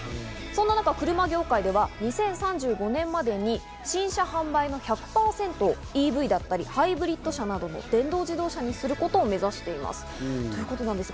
そんな中、車業界では２０３５年までに新車販売の１００％をＥＶだったり、ハイブリッド車などの電動自動車にすることを目指しています。